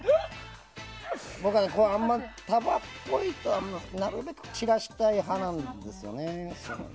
あまり束っぽいとなるべく散らしたい派なんですよね。